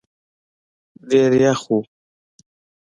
ډېر یخ دی